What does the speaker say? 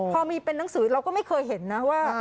พอมีเป็นหนังสือเราก็ไม่เคยเห็นนะว่า